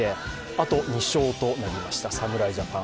あと２勝となりました、侍ジャパン。